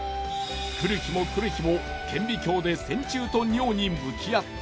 来る日も来る日も顕微鏡で線虫と尿に向き合った。